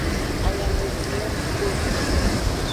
Ayamehun lo klo.